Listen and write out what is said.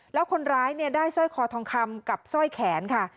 แล้วคนร้ายได้สร้อยคอทองคำกับสร้อยแขนค่ะ